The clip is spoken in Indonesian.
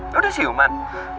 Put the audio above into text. lu udah siuman